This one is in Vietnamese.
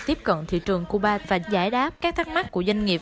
tiếp cận thị trường cuba và giải đáp các thắc mắc của doanh nghiệp